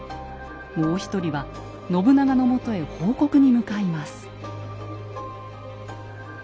もう一人は信長のもとへ報告に向かいます。